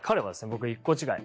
僕と１個違い。